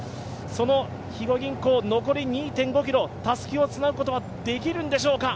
その肥後銀行、残り２．５ｋｍたすきをつなぐことはできるんでしょうか。